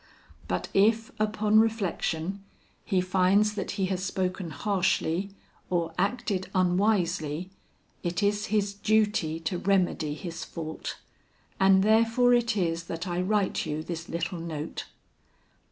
But if, upon reflection, he finds that he has spoken harshly or acted unwisely, it is his duty to remedy his fault; and therefore it is that I write you this little note.